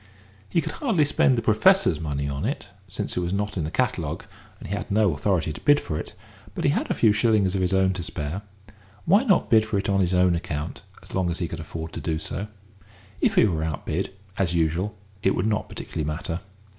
He could hardly spend the Professor's money on it, since it was not in the catalogue, and he had no authority to bid for it, but he had a few shillings of his own to spare. Why not bid for it on his own account as long as he could afford to do so? If he were outbid, as usual, it would not particularly matter.